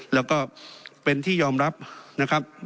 แล้วก็เป็นที่ยอมรับนะครับ